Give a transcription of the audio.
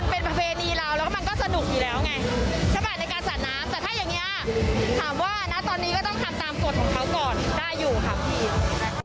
แต่ถ้าอย่างนี้อ่ะถามว่านะตอนนี้ก็ต้องทำตามกฎของเขาก่อนได้อยู่ครับ